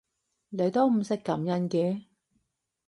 你都唔識感恩嘅